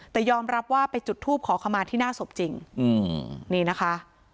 แต่ยอมรับว่าไปจุดทูปขอขมาที่หน้าศพจริงนี่นะคะ